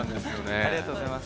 ありがとうございます。